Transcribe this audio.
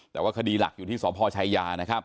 แต่ว่าคดีหลักอยู่ที่สชัยยา